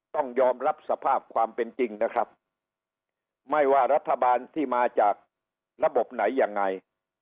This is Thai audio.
ต้องยอมรับสภาพความเป็นจริงนะครับไม่ว่ารัฐบาลที่มาจากระบบไหนยังไง